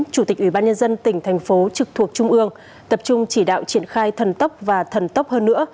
chủ tịch ủy ban nhân dân tỉnh thành phố trực thuộc trung ương tập trung chỉ đạo triển khai thần tốc và thần tốc hơn nữa